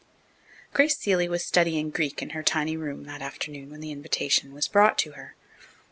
Grace Seeley was studying Greek in her tiny room that afternoon when the invitation was brought to her.